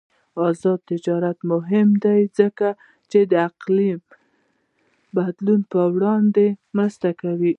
آزاد تجارت مهم دی ځکه چې د اقلیم بدلون پر وړاندې مرسته کوي.